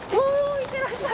いってらっしゃい！